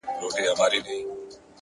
د کوټې خاموشي د فکر غږ لوړوي،